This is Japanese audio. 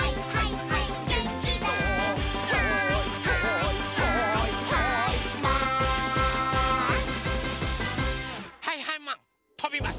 はいはいマンとびます！